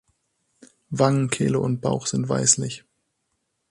Wangen, Kehle und Bauch sind weißlich.